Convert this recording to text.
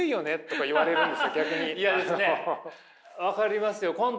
分かりますよ。